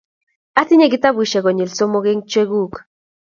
Atinye kitabushek konyil somok eng cheguk